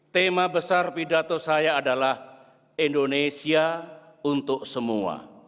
tema besar pidato saya adalah indonesia untuk semua